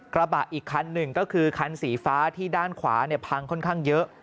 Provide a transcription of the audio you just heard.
กระบะอีกคันหนึ่งก็คือคันสีฟ้าที่ด้านขวาพังค่อนข้างเยอะ